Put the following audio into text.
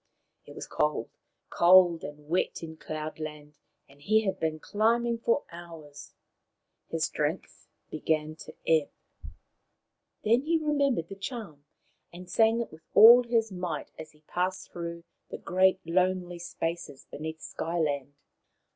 It was cold, cold and wet in Cloud land, and he had been climbing for hours. His strength began to ebb. Then he remembered the charm, and sang it with all his might as he passed through the great lonely spaces beneath Sky land.